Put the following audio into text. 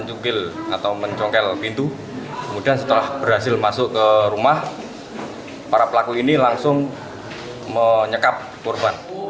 yang digunakan para perampok